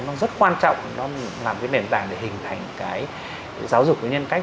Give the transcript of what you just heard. nó rất quan trọng nó làm nền tảng để hình thành giáo dục với nhân cách